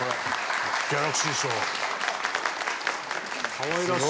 かわいらしい。